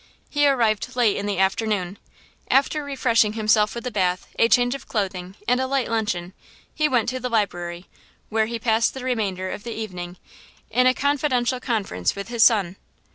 He arrived late in the afternoon. After refreshing himself with a bath, a change of clothing and a light luncheon, he went to the library, where be passed the remainder of the evening in a confidential conference with his son.